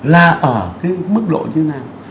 là ở cái mức độ như thế nào